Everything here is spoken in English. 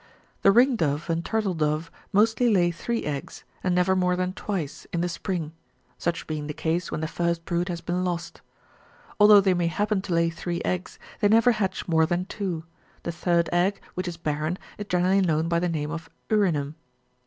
The ring dove and turtle dove mostly lay three eggs, and never more than twice, in the spring; such being the case when the first brood has been lost. Although they may happen to lay three eggs, they never hatch more than two ; the third egg, which is barren, is generally known by the name of ^'urinum."